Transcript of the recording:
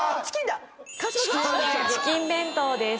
チキン弁当です。